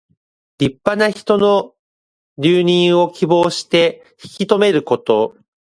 立派な人の留任を希望して引き留めること。